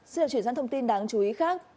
xin được chuyển sang thông tin đáng chú ý khác